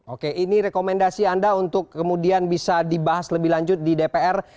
oke ini rekomendasi anda untuk kemudian bisa dibahas lebih lanjut di dpr